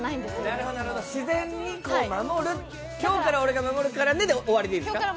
なるほど、自然に守る、「今日から俺が守からね」で終りでいいですか？